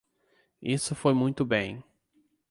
Isso foi muito bem.